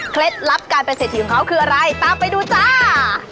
ลับการเป็นเศรษฐีของเขาคืออะไรตามไปดูจ้า